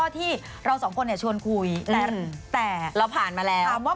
ตอนนี้จีนรู้ยัง